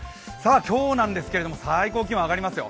今日なんですけども、最高気温上がりますよ。